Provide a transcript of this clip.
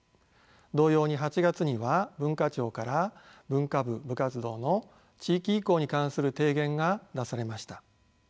同様に８月には文化庁から文化部部活動の地域移行に関する提言が出されました。